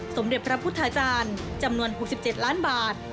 สมเด็จพระพุทธาจารย์จำนวน๖๗ล้านบาท